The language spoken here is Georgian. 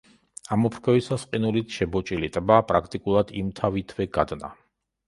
ამოფრქვევისას ყინულით შებოჭილი ტბა პრაქტიკულად იმთავითვე გადნა.